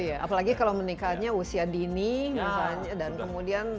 iya apalagi kalau menikahnya usia dini misalnya dan kemudian